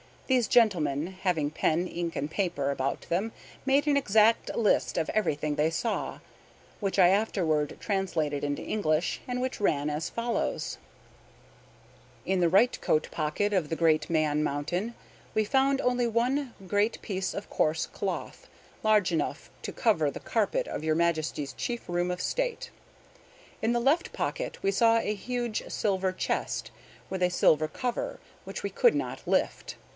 These gentlemen, having pen, ink, and paper about them, made an exact list of everything they saw, which I afterward translated into English, and which ran as follows: "In the right coat pocket of the great Man Mountain we found only one great piece of coarse cloth, large enough to cover the carpet of your Majesty's chief room of state. In the left pocket we saw a huge silver chest, with a silver cover, which we could not lift.